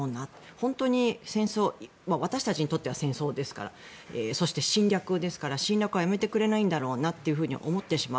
本当に戦争私たちにとっては戦争ですからそして、侵略ですから侵略はやめてくれないんだろうなと思ってしまう。